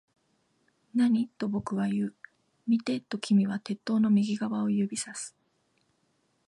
何？と僕は言う。見て、と君は鉄塔の右側を指差す